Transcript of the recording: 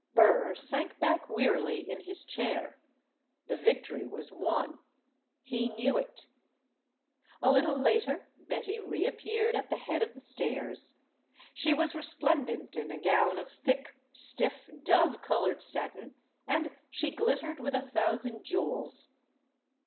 Burr sank back wearily in his chair. The victory was won. He knew it. A little later Betty reappeared at the head of the stairs. She was resplendent in a gown of thick, stiff, dove colored satin, and she glittered with a thousand jewels.